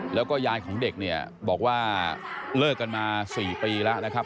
แล้วก็ยายของเด็กเนี่ยบอกว่าเลิกกันมา๔ปีแล้วนะครับ